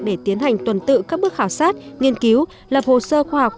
để tiến hành tuần tự các bước khảo sát nghiên cứu lập hồ sơ khoa học